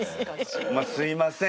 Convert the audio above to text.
まあすいません